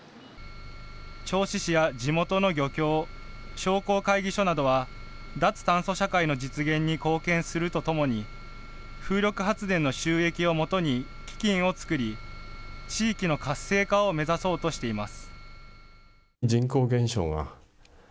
銚子市や地元の漁協、商工会議所などは脱炭素社会の実現に貢献するとともに、風力発電の収益をもとに基金を作り、地域の活性化を目指そうとしています。